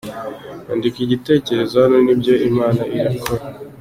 Andika Igitekerezo Hano nibyo imana irakora.